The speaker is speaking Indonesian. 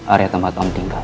area tempat om tinggal